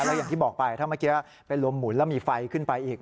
แล้วอย่างที่บอกไปถ้าเมื่อกี้เป็นลมหมุนแล้วมีไฟขึ้นไปอีก